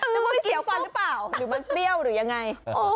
นึกว่าเขียวฟันหรือเปล่าหรือมันเปรี้ยวหรือยังไง